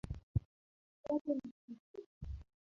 Kiti chake ni kipya.